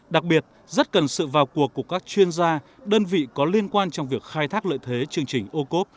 đặc biệt rất cần sự vào cuộc của các chuyên gia đơn vị có liên quan trong việc khai thác lợi thế chương trình ô cốp